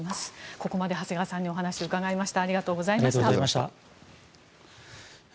ここまで長谷川さんにお話を伺いました。